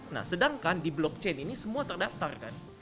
nah sedangkan di blockchain ini semua terdaftar kan